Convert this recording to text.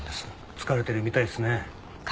疲れてるみたいっすね。